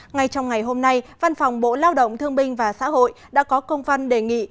ngay trong ngày hôm nay văn phòng bộ lao động thương binh và xã hội đã có công văn đề nghị